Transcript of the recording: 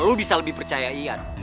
lu bisa lebih percaya ian